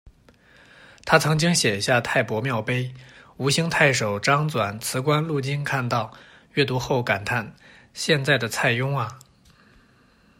他曾经写下《太伯庙碑》，吴兴太守张缵辞官路经看到，阅读后感叹：「现在的蔡邕啊。